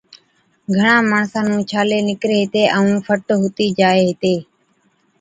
گھڻان ماڻسان نُون ڇالي نڪري هِتي ائُون فٽ هُتِي جائي هِتي۔